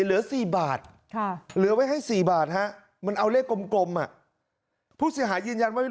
เหลือ๔บาทเหลือไว้ให้๔บาทมันเอาเลขกลมผู้เสียหายยืนยันว่า